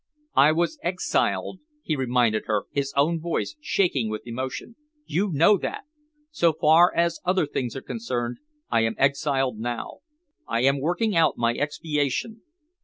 "I was exiled," he reminded her, his own voice shaking with emotion. "You know that. So far as other things are concerned, I am exiled now. I am working out my expiation."